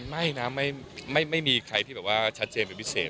ไม่นะไม่มีใครที่แบบว่าชัดเจนเป็นพิเศษ